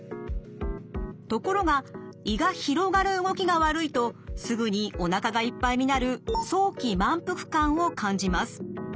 ところが胃が広がる動きが悪いとすぐにおなかがいっぱいになる早期満腹感を感じます。